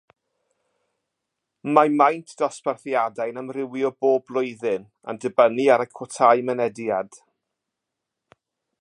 Mae maint dosbarthiadau'n amrywio bob blwyddyn, yn dibynnu ar y cwotâu mynediad.